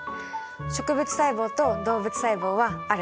植物細胞と動物細胞はある。